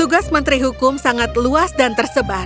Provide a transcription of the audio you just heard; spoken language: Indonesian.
tugas menteri hukum sangat luas dan tersebar